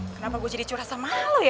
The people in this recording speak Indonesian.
kenapa gua jadi curah sama lu ya